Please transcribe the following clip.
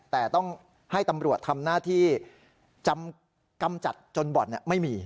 แต่ต้องให้ตำรวจทำหน้าที่กำจัดจนบ่อนไม่มี